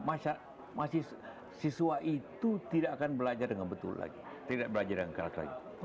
masih siswa itu tidak akan belajar dengan betul lagi tidak belajar dengan keras lagi